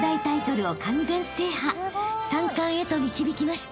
［３冠へと導きました］